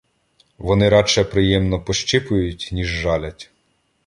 Вони радше приємно пощипують, ніж жалять